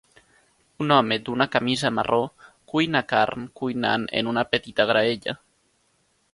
Un home d'una camisa marró cuina carn cuinant en una petita graella.